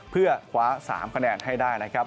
เพื่อคว้า๓คะแนนให้ได้นะครับ